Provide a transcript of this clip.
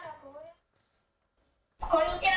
こんにちは。